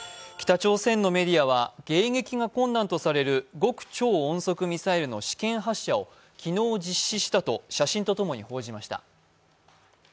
北朝鮮のメディアは迎撃が困難とされる極超音速ミサイルの試験発射を昨日実施したと、写真と共に報じました。